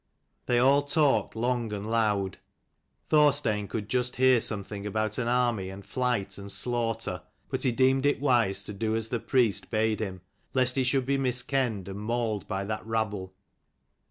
They all talked long and loud. Thorstein could just hear some thing about an army and flight and slaughter; but he deemed it wise to do as the priest bade him, lest he should be mis kenned and mauled by that rabble.